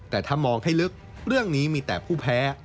แต่ถ้ามองให้ลึกเรื่องนี้มีแต่ผู้แพ้